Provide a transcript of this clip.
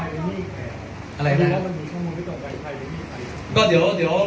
ลองมาด้วยแล้วเตรียมใดใดใครปรับขวา